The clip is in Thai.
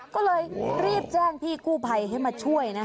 ก็เลยรีบแจ้งพี่กู้ภัยให้มาช่วยนะคะ